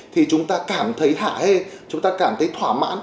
thì chúng ta cảm thấy thả hê chúng ta cảm thấy thỏa mãn